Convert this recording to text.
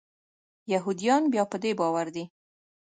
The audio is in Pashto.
یهودیان بیا په دې باور دي.